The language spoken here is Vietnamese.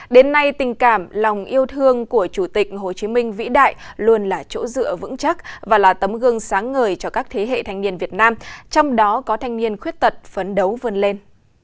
đến nay tình cảm lòng yêu thương của chủ tịch hồ chí minh vĩ đại luôn là chỗ dựa vững chắc và là tấm gương sáng ngời cho các thế hệ thanh niên việt nam trong đó có thanh niên khuyết tật phấn đấu vươn lên